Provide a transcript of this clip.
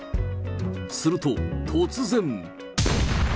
すると突然。